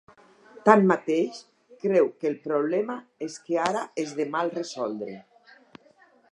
Tanmateix, creu que ‘el problema és que ara és de mal resoldre’.